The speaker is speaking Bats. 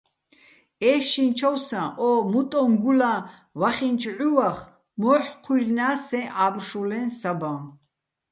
ე́შშინჩოვსა ო "მუტოჼ გულაჼ" ვახინჩო̆ ჺუვახ მო́ჰ̦ ჴუჲლლნა́ს სეჼ ა́ბრშულეჼ საბაჼ!